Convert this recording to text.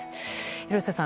廣瀬さん